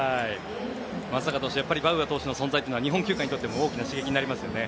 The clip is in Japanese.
松坂さん、バウアー投手の存在は日本球界にとっても大きな存在になりますね。